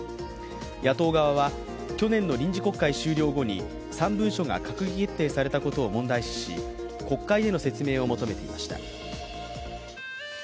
野党側は去年の臨時国会終了後に３文書が閣議決定されたことを問題視し国会での説明を求めていました。